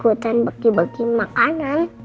ikutan bagi bagi makanan